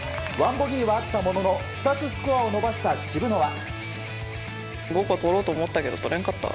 １ボギーはあったものの２つスコアを伸ばした渋野は。